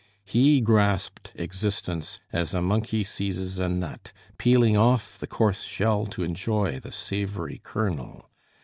He grasped existence as a monkey seizes a nut, peeling off the coarse shell to enjoy the savory kernel.